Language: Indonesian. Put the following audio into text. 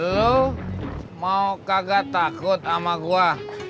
lo mau kagak takut sama gue